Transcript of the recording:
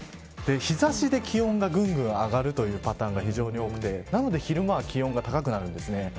日差しで気温がぐんぐん上がるというパターンが非常に多くてなので昼間は気温が高くなるんですね。